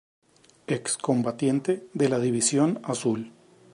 Ex-combatiente de la División Azul.